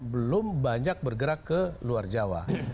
belum banyak bergerak ke luar jawa